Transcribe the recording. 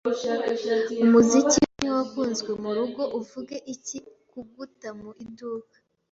Umuziki we ntiwakunzwe murugo. uvuge iki ku guta mu iduka?